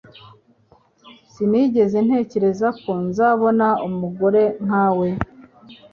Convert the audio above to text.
Sinigeze ntekereza ko nzabona umugore nkawe.